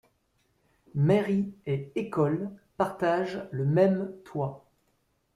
Mairie et école partagent le même toit.